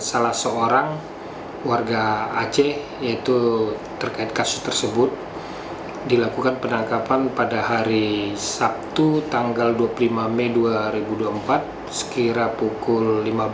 salah seorang warga aceh yaitu terkait kasus tersebut dilakukan penangkapan pada hari sabtu tanggal dua puluh lima mei dua ribu dua puluh empat sekira pukul lima belas